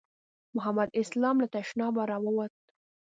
محمد اسلام چې له تشنابه راووت.